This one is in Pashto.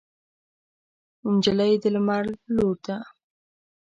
نجلۍ د لمر لور ده.